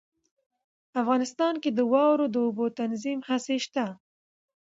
افغانستان کې د واورو د اوبو د تنظیم هڅې شته.